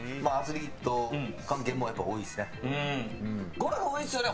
ゴルフ多いですよね